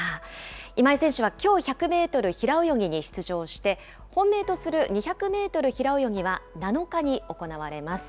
今井選手はきょう１００メートル平泳ぎに出場して、本命とする２００メートル平泳ぎは７日に行われます。